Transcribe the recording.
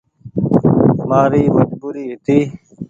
مآري مجبوري هيتي۔